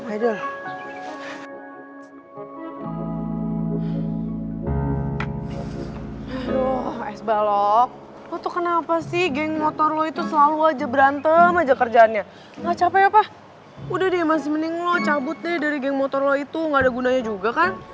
aduh es balok lo tuh kenapa sih geng motor lo itu selalu aja berantem aja kerjaannya nggak capek ya pak udah deh masih mending lo cabut deh dari geng motor lo itu gak ada gunanya juga kan